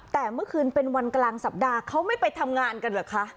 แต่เมื่อคืนเป็นวันกลางสัปดาห์เขาไม่ไปทำงานกันเหรอคะ